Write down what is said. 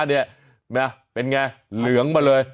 นี่นะเป็นไงเหลืองมาเลย